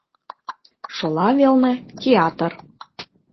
Шола велне — театр.